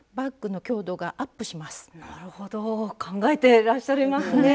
なるほど考えていらっしゃいますね。